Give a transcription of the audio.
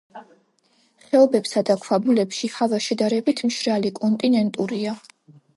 ხეობებსა და ქვაბულებში ჰავა შედარებით მშრალი, კონტინენტურია.